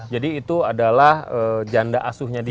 jadi itu adalah janda asuhnya dia